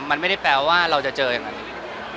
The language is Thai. มันไม่ได้แปลว่าเราจะเจออย่างนั้นอีก